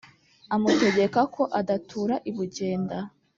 amutegeka ko adatura i bugenda.